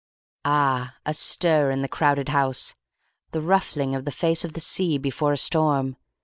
"AA! A stir in the crowded house. The ruffling of the face of the sea before a storm.